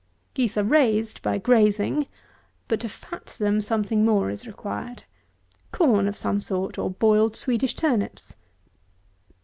168. Geese are raised by grazing; but to fat them something more is required. Corn of some sort, or boiled Swedish turnips.